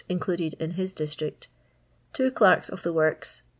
■• eluded in hU district. I 2 Clerka of the Works.